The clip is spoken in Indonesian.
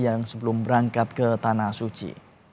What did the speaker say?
yang sebelum berangkat ke tanah suci